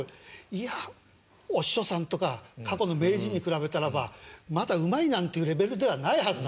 いやお師匠さんとか過去の名人に比べたらばまだうまいなんていうレベルではないはずなの。